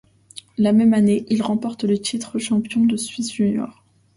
La même année, il remporte le titre de champion de Suisse junior.